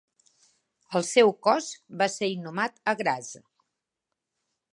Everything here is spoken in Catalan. El seu cos va ser inhumat a Graz.